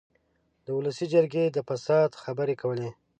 د اولسي جرګې د فساد خبرې کولې.